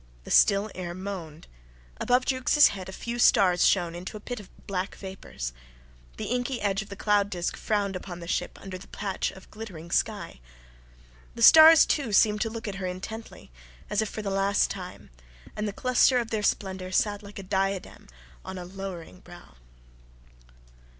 The still air moaned. Above Jukes' head a few stars shone into a pit of black vapours. The inky edge of the cloud disc frowned upon the ship under the patch of glittering sky. The stars, too, seemed to look at her intently, as if for the last time, and the cluster of their splendour sat like a diadem on a lowering brow.